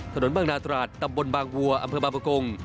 ถนนบางนาตราดตำบลบางวัวอำเภอบางประกง